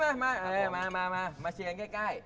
มาดูใกล้มานี่มามาเชียงใกล้